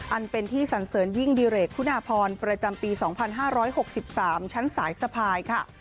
อันเป็นที่สันเสริญยิ่งดิเรกคุณาพรประจำปี๒๕๖๓ชั้นสายสะพายค่ะ